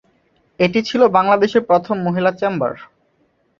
এটি ছিল বাংলাদেশের প্রথম মহিলা চেম্বার।